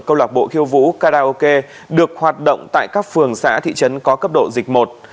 câu lạc bộ khiêu vũ karaoke được hoạt động tại các phường xã thị trấn có cấp độ dịch một